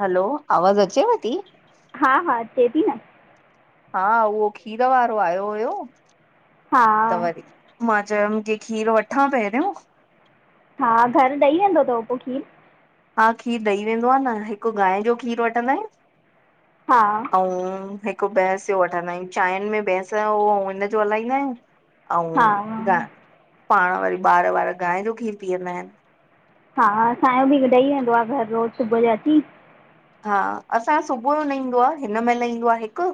हलो, आवाज़ अचेव ती? हा, हा अचे ती न। हा उओ खीर वारो आयो हुयो, हा त वरी मां चयुम की खीरु वठां पहिरियों हा घर ॾई वेंदो तव पो खीरु? हा खीर ॾई वेंदो आ न हिकु गांय जो खीर वठंदा आहियूं हा अऊं हिकु भैंस जो वठंदा आहियूं चांयिन में भैंस जो अउं हिनज जो हलाईंदा आहियूं हा आउं द पाण वरी ॿार-वार गांय जो खीर पीअंदा आहिनि। हा असांजो बि ॾई वेंदो आ घर रोज़ सुबुह जो अची हा असां सुबुह जो न ईंदो आ, हिन महिल ईंदो आ हिकु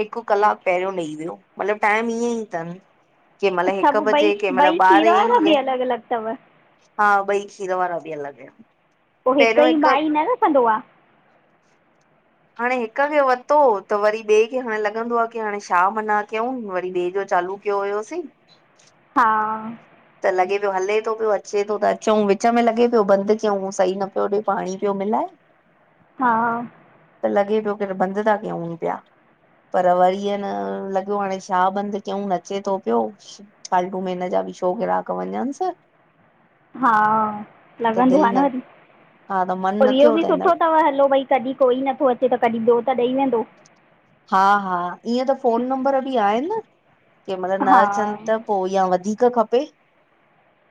हिकु कलाकु पहिरियों ॾई वियो, मतिलबु टाइम ईंऐ ई तन। केह मल अच्छा हिक पोइ बजे केह ॿई मल ॿई खीर ॿारहे वारा बि हिअं अलॻि अलॻि अथव हा ॿई खीर वारा बि अलॻि इन। पो हिक ई भाई न रखंदो आ। हाणें हिक खे वरितो त वरी ॿिए खे हाणे लॻंदो आ की हाणे छा मना क्यऊं वरी ॿिए जो चालू क्यो हुयोसीं हा त लॻे पियो हले थो पियो अचे थो त अचऊं विच में लॻे पियो बंदि क्यऊं सही न पियो ॾे पाणी पियो मिलाए। [inaudible] हा त लॻे पियो फिर बंदि ता कयूं पिया। पर वरी हन लॻो हाणे छा बंदि कयूं अचे तो पियो। फाल्टू में हिनजा बि छो ग्राहक वञन स। हा लॻंदो आ न वरी हा त मन पर न इहो थियो बि त हिन सुठो तव हलो भई कॾहिं कोई नथो अचे त कॾहिं ॿियो त ॾई वेंदो। हा, हा ईअं त फ़ोन नंबर बि आहिन न, केहमल न हा अचनि त पोइ या वधीक खपे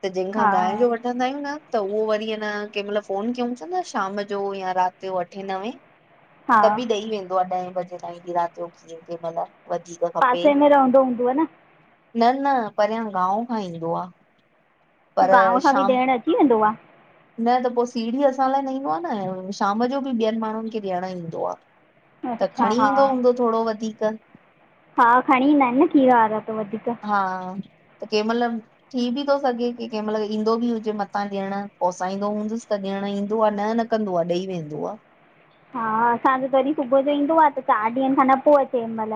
त जंहिंखां हा गांय जो वठंन इंदा आहियूं न त उओ वरी अ न केहमल फोन कयूं ता न शाम जो या राति जो अठे नवे हा त बि ॾई वेंदो आ, ॾहें बजे ताईं राति जो खीर केमल। पासे में रहंदो हूंदुव न? न, न परियां गांउ खां ईंदो आ। पोइ पर गांव खां बि शाम ॾियणु अची वेंदो न त पोह सीड़ी असां लाइ न ईंदो आ न, शाम जो बि ॿियनि माण्हुनि खे ॾियण ईंदो आ। आहे अच्छा खणी ईंदो हा हूंदो थोड़ो वधीक। हा खणी ईंदा इन न खीर वारा त वधीक हा त केमल थी बि थो सॻे कि केमल ईंदो बि हुजे मतां ॾियण, पोसाईंदो हूंदुसि त ॾियण ईंदो आ न न कंदो आ ॾैई वेंदो आ। हा असांजो जॾहिं सुबुह जो ईंदो आ त चार ॾींहंनि खां न पो अचे हिनमल।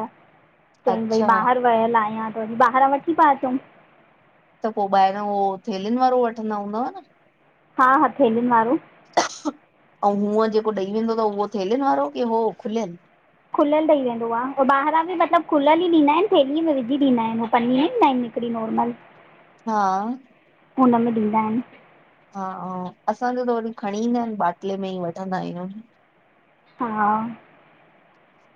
चईं भई अच्छा ॿाहिरि वहियल आहियां त वरी ॿाहिरां वठी पिया अचऊं। त पो ॿाहिरां उओ थेलीनि वारो वठंदा हूंदव न? हा-हा फोनुन वारो अउं हूअं जेको ॾई वेंदो तव, उहो थेलिनि वारो की हो खुलियल। खुलियल ॾई वेंदो आ पो ॿाहिरा बि मतिलबु खुलियल ई ॾींदा आइन, थेलीअ में विझी ॾींदा आइन पनीर न फ्री नॉर्मल हा। हुनमें ॾींदा अइन हा असांजो त वरी खणी ईंदा आहिन, बाटले में ई वठंदा आहियून्। हा।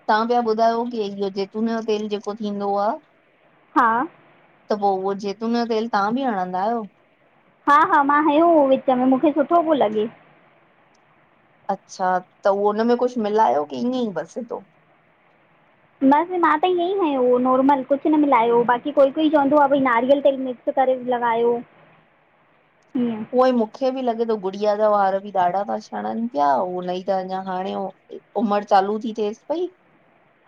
तां प्या ॿुधायो, कि इयो जैतून यो तेल जेको थींदो आ हा। त पो उहो जेतूनअयो तेल तां बि हणंदा आयो? हा - हा, मां हंयो हो विच में, मूंखे सुठो पो लॻे। अच्छा, त उहो हुन मे कुश मिलायो की इअं ई बस सिधो? बस मां त इअं ई हयो हो नॉर्मल, कुश न मिलायो, बाक़ी कोई- कोई चवंदो आ भई नारियल तेल में करे लॻायो। ईअं [inaudible] उवई मूंखे बि लॻे थो गुडिया जा वार बि ॾाढा था छणन पया, उनई त अञा हाणे उमर चालू थी थेस पई,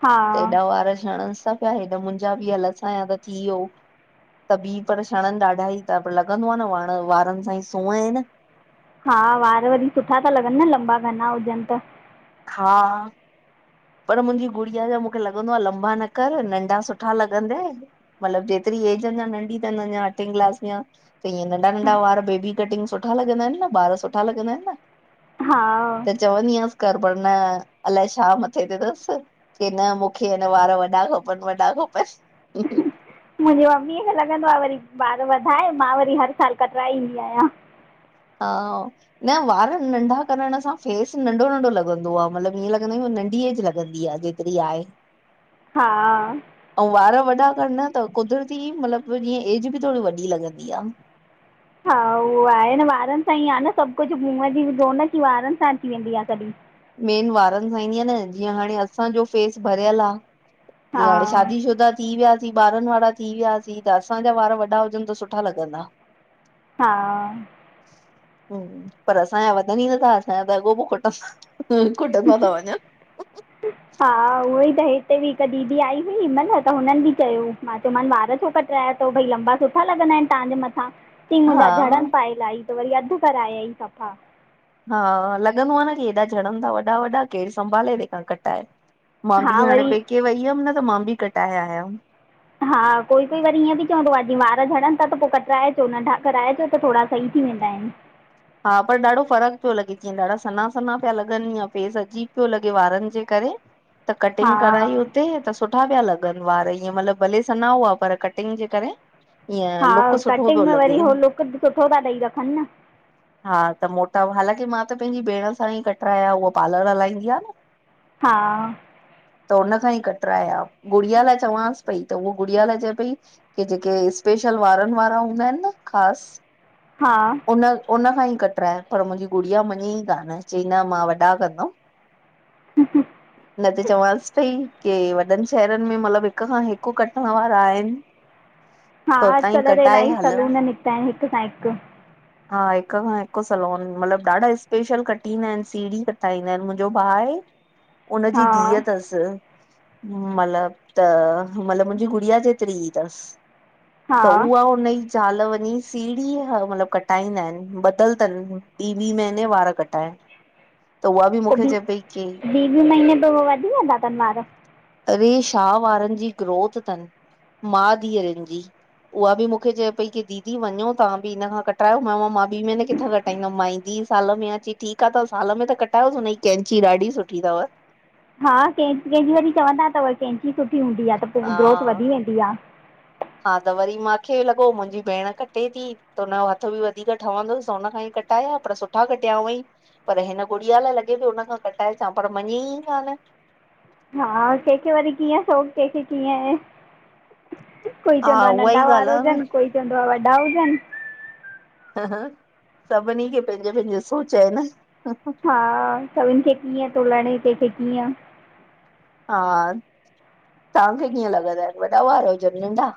हा त एॾा वार झड़नस्था। तह हेत मुंजा बि, अलाए छा त थी वयो। त ॿी पर शणन ॾाढा ई ता, पर लॻंदो आ न हाणे वारन सां ई सूंह आहे न। हा वार वरी सुठा ता लॻन न, लंबा घना हुजन त। हा। पर मुंजी गुड़िया जा मूंखे लॻंदो आ, लंबा न कर, नंढा सुठा लॻंदे। मतलब जेतरी एज अञा नंढी थन, अञा अठीं क्लास में आ। त ईअं नंढा नंढा वार, बेबी कटिंग सुठा लॻंदा आहिन न, ॿार सुठा लॻंदा आहिन न? हा त चवंदी आयांस्, कर पर न, अलाए छा मत छेड़ींदस, की न मूंखे अना वार वॾा खपन, वॾा खपन। मुंहिंजे मम्मीअ खे लॻंदो आहे वरी, वार वधाए, मां वरी हर सालु कटराए ईंदी आहियां। हा। न वार नंढा करण सां, फेस नंढो- नंढो लॻंदो आ, मतलब ईअं लॻंदा आयूं नंढी एज लॻंदी आ। फ्री आए। हा। ऐं वार वॾा करना थव, कुदरती मतलबु जीअं एज बि थोरी वॾी लॻंदी आहे। हा उहो आहे न, वारनि सां ई आहे न सभु कुछ, मुंहं जी रोनक ई वारनि सां अची वेंदी आहे कॾहिं। मेन वारनि सां ईंदी न, जीअं हाणे असांजो फेस भरियल आ। हा जीअं हाणे शादी शुदा थी वयासीं, ॿारन वारा थी वियासीं, असांजा वार वॾा हुजन त सुठा लॻंदा। हा। हुं, पर असांया वधनी नथा असांया त अॻो पो कटस्। हुं, खुटंदा ता वञन। हा उहोई त, हिते बि हिक दीदी आई हुई, न न त हुनन बि चयो, मां चयोमान वार छो कट ट्राए तो भई लंबा सुठा लॻंदा आहिन तांजे मथां। ई हा मुंजा झड़न पाए इलाई, त वरी अधु कराए आई सफ़ा। हा लॻंदो आ न की हेॾा झड़न था वॾा- वॾा केर संभाले तेखां, कटाए। मां हा बि हाणे वरी पेके वईअम न, त मां बि कटाए आयम। हा कोई कोई वरी ईअं बि चवंदो आ वार झड़नि था त पो कटराए चो नंढा कराए चो त थोड़ा सही थी वेंदा आहिनि। हा, पर ॾाढो फ़र्क पियो लॻे जीअं ॾाढा सना-सना पिया लॻनि या फेस अजीब पियो लॻे वारनि जे करे त हा कटिंग कराई हुते त सुठा सुठा पिया लॻनि वार, ईअं मतलब भले सना हुआ, पर कटिंग जे करे ईअं हा, लुक सुठो कटिंग पियो में लॻे वरी उहो लुक सुठो था ॾेई रखनि न। हा त मोटा, हालाँकि मां त पंहिंजी भेण सां ही कटराया, उह पार्लर हलाईंदी आ न। हा त उन खां ही कटराया, गुड़िया लाइ चवासि पई, त उहो गुड़िया लाइ चए पई की जेके स्पेशल वारनि वारा हूंदा आहिनि न ख़ासि हा उन, उन खां ही कटरायां, पर मुंजी गुड़िया मञई कान चई न मां वॾा कंदमि। न त चवांसि पई की वॾनि शहरनि में मतलब हिक खां हिकु कु कटण वारा आहिनि। हा त उतां ई अॼुकल्ह त कटाए इलाही हलऊं। सलून निकिता आहिनि हिक खां हिकु। हा हिक खां हिकु सलोन मतलब ॾाढा स्पेशल कटिंदा आहिनि, सीड़ी कटाईंदा आहिनि मुंहिंजो भाउ आहे उन जी हा धीअ तस मतलब त मतलब मुंजी गुड़िया जेतिरी तसि। हा त उहा हुनजी ज़ाल वञी सीड़ी, मतलब कट कटाईंदा आहिनि ॿधल तन ॿीं- ॿीं महीने वार कटाएनि। पो बि ॿीं ॿीं महीने पो वधी वेंदा तन वार? अरे छा वारनि जी ग्रोथ तनि। माँ धीअरनि जी, उहा बि मूंखे चए पई की दीदी वञो तव्हां बि इन खां क चयोमास मां ॿीं महीने किथां कटाईंदमि मां इंदी ई साल में आया त चईं ठीक आ त साल में त कटायो हुन ई कैंची ॾाढी सुठी तव। हा कंहिंज कंहिंजी वरी चवंदा तव कैंची सुठी हूंदी आ त पो हा ग्रोथ वधी वेंदी आ। हा त वरी मांखे लॻो मुंहिंजी भेण कटे थी, त हुनजो हथ बि वधीक ठवंदुस उन खां ई कटे कटाया पर सुठा कटया हूअई। पर हिन गुड़िया लाइ लॻे पियो उन खां कटाएचां पर मञे ही कान। हा कंहिंखे वरी कीअं शौक कंहिंखे कीअं आहे। कोई हा चवंदो आ उहा नंढा ई वार ॻाल्हि हुजनि कोई चवंदो आ वॾा हुजनि। सभिनी खे पंहिंजे पंहिंजे सोच आहे न। हा, सभिन खे कीअं थो लड़े कहिंखे कीअं। हा तव्हांखे कीअं लॻंदा आ, वॾा वार हुजनि नंढा?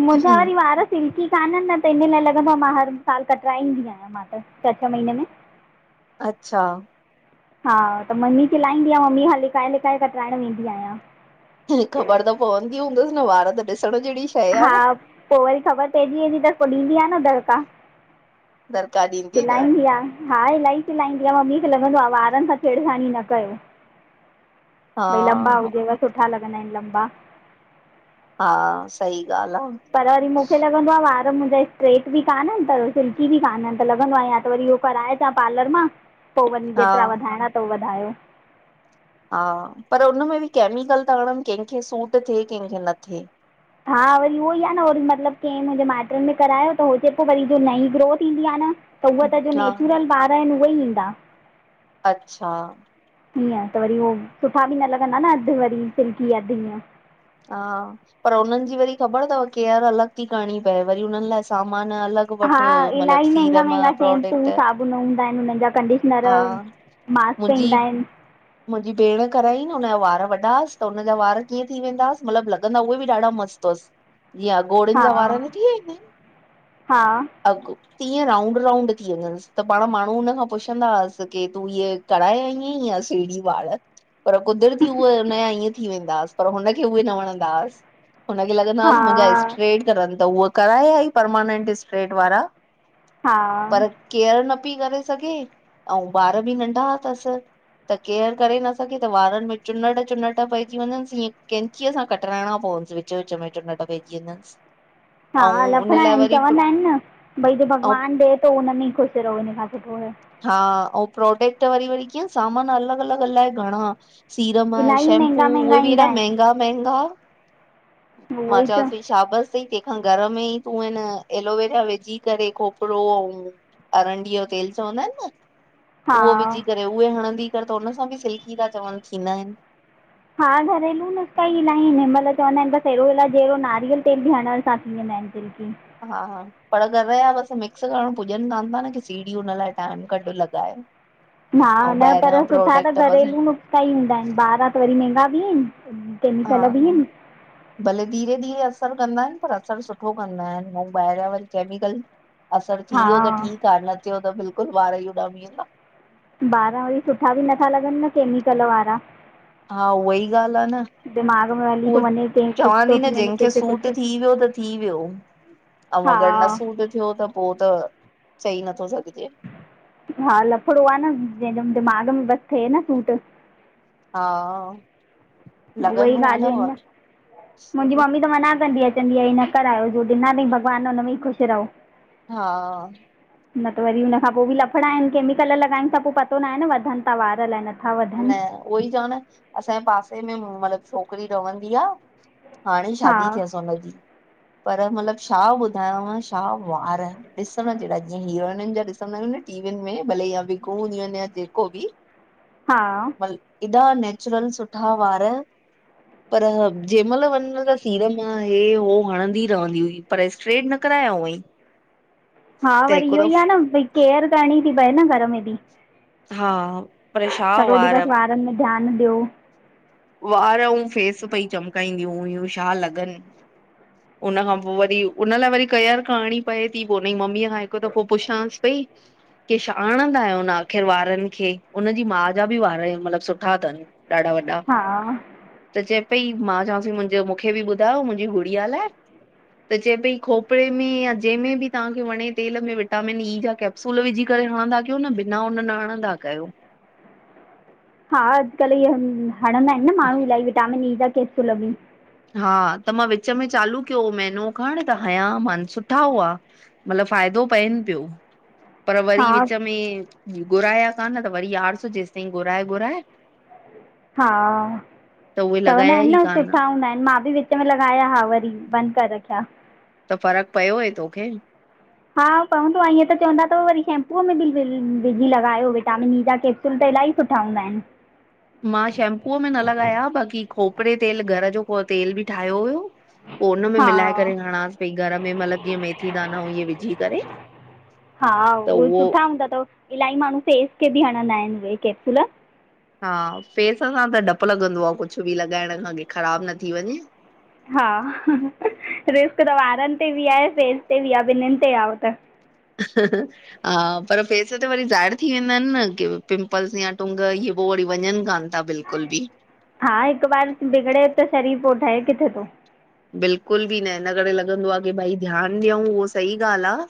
मुंजा वरी वार सिल्की काननि न त इन लाइ लॻंदो आ मां हर साल कटराईंदी आहियां, मां त छह- छह महीने में। अच्छा हा त मम्मी चिलाईंदी आ, मम्मी खां लिकाए लिकाए कट्राइड वेंदी आहियां। ख़बर त पवंदी हूंदसि न वार त ॾिसण जहिड़ी शइ आ न। हा पो वरी ख़बर पइजी वेंदी त पो ॾींदी आ न दड़िका। दरकार ॾींदी त चिलाइंदी आ। हा इलाही चिलाईंदी आ, मम्मी खे लॻंदो आ वारनि सां छेड़खानी न कयो। हा भाई लंबा हुजेव, सुठा लॻंदा आहिनि लंबा। हा सही ॻाल्हि आ। पर वरी मूंखे लॻंदो आ वार मुंजा स्ट्रेट बि कान्हनि पर सिल्की बि कान्हनि त लॻंदो आ या त वरी उहो कराए पार्लर मां पो वरी आ हा जेतरा वधाइणा थव वधायो हा पर उन में बि केमिकल था हणन, कंहिंखे सूट थिए कंहिंखे न थिए हा वरी उहो ई आहे न वरी मतलब कंहिं मुंहिंजे माइटन में करायो त हो चवे पियो कि वरी जेको नईं ग्रोथ इंदी आए न त उहा त जो हा नेचुरल वार आहिन उहे ई ईंदा अच्छा हीअं त वरी उहो सुठा भी न लॻंदा न अध वरी सिल्की अध हीअं हा पर उनन जी वरी ख़बर थव केयर अलॻ थी करणी पए वरी उनन लाए सामान अलॻ हा इलाही महंगा महंगा शैम्पू साबुण हूंदा आहिन उनन जा कंडिशनर हा मास्क मुंहिंजी ईंदा आहिन मुंहिंजी भेण कराई न हुनजा वार वॾा हुयस त हुनजा वार कीअं थी वेंदास मतलब लॻंदा उहे बि ॾाडा मस्त हुयस जीअं घोड़नि हा जा वार न थी वेंदा आहिन हा अघ तीअं राउंड राउंड थी वञन्स त पाण माण्हू हुन खां पुछंदा हुयस कि तूं हे कराए आईं आहीं बिजी वार पर कुदिरती उहे हुनजा ईअं थी वेंदा हुअस पर हुनखे उहे न वणदा हुअस हुनखे लगंदा हा हुअस मुंहिंजा स्ट्रेट करन त हुअ कराए आई परमानंट स्ट्रेट वारा हा पर केयर न पई करे सघे ऐं ॿार बि नंढा थस त केयर न करे न सघे, त वारन में चुनट चुनट पइजी वञस, ईअं कैंचीअ सां कटराइणा पवनस चो चो [unintelligible] हा लफड़ा आहिन। चवंदा आहिन न, भई जो ऐं भॻवान ॾिए थो हुन में ई ख़ुश रहो। हिन खां सुठो। हा ऐं प्रोडक्ट वरी वरी कीअं सामान अलॻ अलॻ अलाए घणा सीरम, इलाही शैम्पू महांगा महांगा उहे भी ईंदा हेॾा आहिनि महंगा महंगा, उहो मां ई चवां त थी शाबस तंहिंखा घर में ई तूं आहे न एलोवेरा विझी करे खोपरो अरंडीअ जो तेल चवंदा आहिन न। हा उहो विझी करे, उहे हणंदी कर त उन सां बि सिल्की था चवन थींदा आहिन हा घरेलू नुस्का ई इलाही आहिन। मतलब चवंदा आहिन बस एलोवेरा जहिड़ो नारियल तेल बि हणन सां थी वेंदा आहिन। [unintelligible] हा हा पर घर जा बस मिक्स करण पुॼन कोन था न, की सीड़ी हुन लाए टाइम कड लॻाए। हा! ऐं न, पर ॿाहिरियां सुठा त प्रोडक्ट बस घरेलू नुस्का ई हूंदा आहिन। ॿाराँ त वरी महंगा बि आइन। हा! हुं भले धीरे, धीरे असर कंदा आहिन। पर असर सुठो कंदा आहिन। ऐं ॿाहरियां वरी केमिकल असर थी हा वियो त ठीक आ न थियो त बिल्कुल वार ई उॾामी वेंदा वार वरी सुठा भी नथा लॻन न केमिकल वारा। हा! उहा ई ॻाल आहे न। दिमाग़ में हली उह, थो वञे कंहिं कुझु चवांं थी थो न। वञे जंहिंखे कंहिंखे सूट कुझु थी वियो त थी वियो। अऊं अगर न हा सूट थियो त पो त चई नथो सघजे। हा लफड़ो आ न। जंहिंजो दिमाग़ में बस थिए न सूट। हा! ! उहे ई ॻालयूँ आहिन न। मुंहिंजी मम्मी त मना कंदी आ चवंदी आ इहे न करायो, जो ॾिना थईं भॻवान हुन में ई ख़ुश रओ हा! न त वरी हुनखां पो बि लफड़ा आहिन। केमिकल लॻाइन त पो बि पतो नाए न वधन था वार अलाए न? न, उहोई चवां न। असांजे पासे में मतलब छोकरी रवंदी आ हाणे हा शादी थियस हुनजी। पर मतलब छा ॿुधायांव। छा वार। ॾिसण जहिड़ा। जीअं हीरोइन जा, ॾिसंदा आहियूं न टीवी में। भले विग हूंदियूं आहिनि या जेको बि। हा एॾा नेचुरल सुठा वार पर, जंहिंमाल वञ न त सीरम या हि उह हणंदी रहंदी हुई। पर स्ट्रेट न कराया हुअईं। हा! त वरी हिकु इहो ई आहे दफ़ो न। भई केयर करणी थी पए न घर में बि। हा! परे [unintelligible] नि में ध्यानु ॾियो। वार औ फेस पई चिमकाईंदियूं हुयूं छा लॻनि हुनन खां पोइ वरी हुनन लाइ वरी केयर करणी पए थी पोइ हुनजी मम्मीअ खां हिकु दफ़ो पुछांसि पई के छा हणंदा आहियो हुन आख़िर वारनि खे हुनजी माँ जा बि वार मतलबु सुठा तनि। ॾाढा वॾा हा त चए पई मां चवांसि पोइ मूंखे बि ॿुधायो मुंहिंजी गुड़िया लाइ त चए पई खोपरे में या जंहिं में बि तव्हांखे वणे तेल में विटामिन ई जा कै प्सूल विझी करे हणंदा कयो न बिना हुन नहणंदा कयो। हा अॼुकल्ह इहे हणंदा आहिनि न माण्हू इलाही विटामिन ई जा कैप्सूल भी हा त मां विच में चालू कयो महिनो खण त हया मान सुठा हुआ मतिलबु फ़ाइदो पवनि पियो पर वरी हा विच में घुराया कान त वरी आलस जेसि ताईं घुराए घुराए हा त उहे चवंदा लॻाया आहिनि ई न कान सुठा हूंदा आहिनि मां बि विच विच में लॻाया हा वरी बंद करे रखया। त फ़रक पियो हुयय तोखे? हा पवंदो आहे ईअं त चवंदा तव वरी शैम्पूअ में भी विझी लॻायो विटामिन ई जा केप् उह त इलाही सुठा हूंदा आहिन। मा शैम्पूअ में न लॻाया बाक़ी खोपरे तेल घर जो को तेल भी ठाहियो हुयो। पोइ उन में हा मिलाए करे हणासि पई घर में मतलबु जीअं मेथी दानां इअ विझी करे हा। उहो सुठा हुंदा तव इलाही माण्हू फेस खेबि हणंदा आहिनि उहे कैप्सूल। हा फेस सां त डपु लॻंदो आहे कुछ बि लॻाइण खा कि ख़राबु न थी वञे। हा। रिस्क त वारनि ते बि आहे फेस ते बि आह ॿिन्हिनि ते आहे ओ त। ह ह हा। पर फेस ते वरी ज़ाहिर थी वेंदा आहिनि न की पिंपल्स या टुंग। इहे पोइ वरी वञनि कान ता बिलकुलु बि हा। हिक बार बिगड़े त शरीर पो ठहे किथे थो। बिल्कुल बि न हिन करे लॻंदो आहे की भई ध्यानु ॾियूं उहा सही ॻाल्हि आहे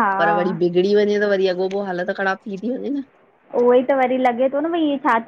हा पर वरी बिगड़ी वञे त वरी अॻोपो हालत ख़राबु थी थी वञे न। उहो ई त वरी लॻे थो न भई इ छा